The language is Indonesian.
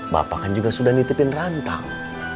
bapak kan juga sudah nitipin rantang